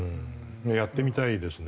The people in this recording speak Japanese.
やってみたいですね